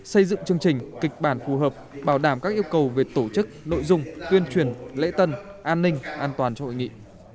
xây dựng chương trình kịch bản phù hợp bảo đảm các yêu cầu về tổ chức nội dung tuyên truyền lễ tân an ninh an toàn cho hội nghị